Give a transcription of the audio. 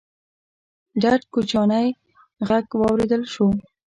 ډډ کوچيانی غږ واورېدل شو: